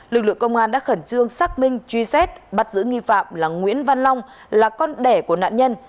lực lượng công an đã khẩn trương xác minh truy xét bắt giữ nghi phạm là nguyễn văn long là con đẻ của nạn nhân